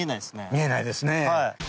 見えないですね。